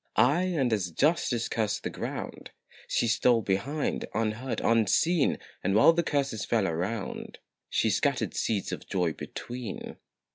Aye, and as Justice cursed the ground, She stole behind, unheard, unseen And while the curses fell around, She scattered seeds of joy between.